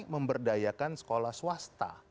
memberdayakan sekolah swasta